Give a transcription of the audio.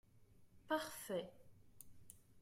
Parfait